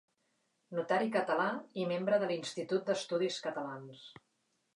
Notari català i membre de l'Institut d'Estudis Catalans.